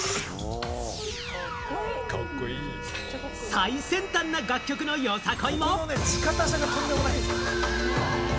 最先端の楽曲のよさこいも。